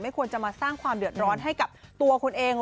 ควรจะมาสร้างความเดือดร้อนให้กับตัวคุณเอง